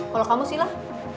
kalo kamu silah